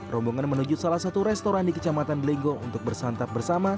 rombongan menuju salah satu restoran di kecamatan blengo untuk bersantap bersama